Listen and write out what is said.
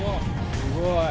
すごい。